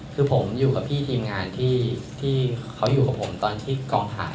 คือผมอยู่กับพี่ทีมงานที่เขาอยู่กับผมตอนที่กองถ่าย